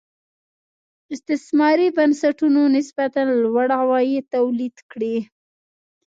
استثماري بنسټونو نسبتا لوړ عواید تولید کړي.